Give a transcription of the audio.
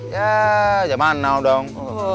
ya jamanau dong